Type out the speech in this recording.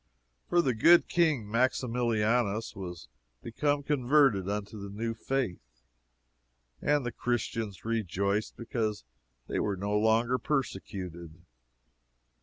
For the good King Maximilianus was become converted unto the new faith, and the Christians rejoiced because they were no longer persecuted.